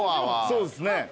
そうですね